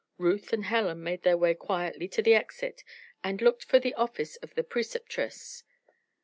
Ruth and Helen made their way quietly to the exit and looked for the office of the Preceptress.